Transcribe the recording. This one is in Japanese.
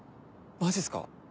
マジっすか？